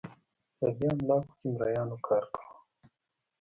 په دې املاکو کې مریانو کار کاوه.